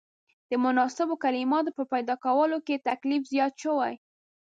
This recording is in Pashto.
د مناسبو کلماتو په پیدا کولو کې تکلیف زیات شوی.